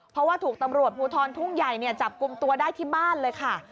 เพราะว่าถูกตำรวจภูทรทุ่งใหญ่จับกลุ่มตัวได้ที่บ้านเลยค่ะ